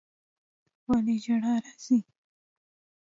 ولي ژړا راځي